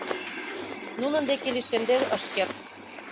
Нунын деке лишемде ыш керт.